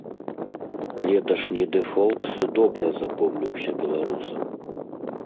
Леташні дэфолт добра запомніўся беларусам.